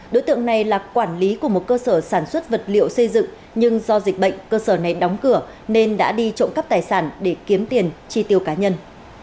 đối tượng này là quản lý của một cơ sở sản xuất vật liệu xây dựng nhưng do dịch bệnh cơ sở này đóng cửa nên đã đi trộm cắp tài sản để kiếm tiền chi tiêu cá nhân